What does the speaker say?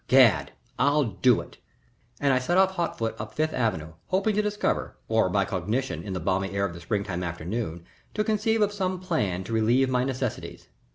Gad! I'll do it." And I set off hot foot up Fifth Avenue, hoping to discover, or by cogitation in the balmy air of the spring time afternoon, to conceive of some plan to relieve my necessities.